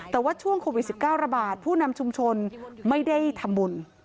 แต่ว่าช่วงโควิด๑๙ระบาดผู้นำชุมชนไม่ได้ทำบุญ